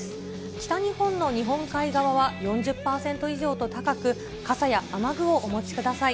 北日本の日本海側は４０％以上と高く、傘や雨具をお持ちください。